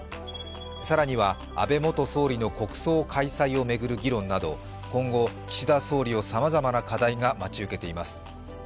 更には安倍元総理の国葬開催を巡る議論など今後、岸田総理をさまざまな課題が待ち受けています。